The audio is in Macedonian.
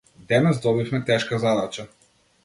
Денес добивме тешка задача.